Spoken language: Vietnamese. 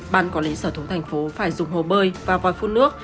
bang có lý sở thủ thành phố phải dùng hồ bơi và vòi phun nước